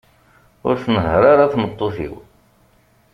Ur tnehher ara tmeṭṭut-iw.